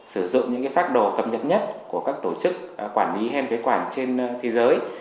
sử dụng những cái pháp đồ cập nhật nhất của các tổ chức quản lý hen kế quản trên thế giới